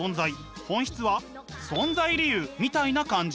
「本質」は存在理由みたいな感じ。